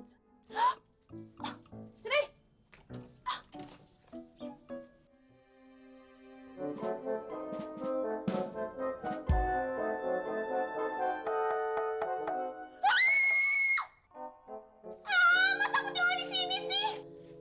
ah masa aku tinggal disini sih